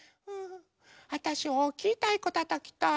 あたしおおきいたいこたたきたい。